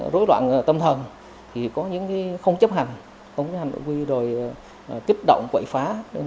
rối loạn tâm thần có những không chấp hành kích động quậy phá